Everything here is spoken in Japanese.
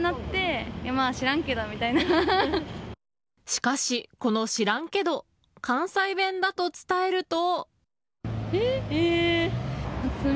しかし、この知らんけど関西弁だと伝えると。